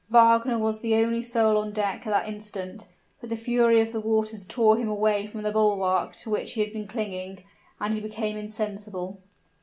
Wagner was the only soul on deck at that instant: but the fury of the waters tore him away from the bulwark to which he had been clinging, and he became insensible.